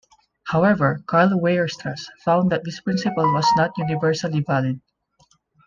However, Karl Weierstrass found that this principle was not universally valid.